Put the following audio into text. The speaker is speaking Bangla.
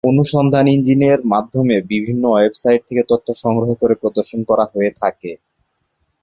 অনুসন্ধান ইঞ্জিনের মাধ্যমে বিভিন্ন ওয়েবসাইট থেকে তথ্য সংগ্রহ করে প্রদর্শন করা হয়ে থাকে।